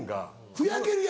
ふやけるやんか。